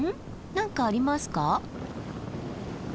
何かありますか？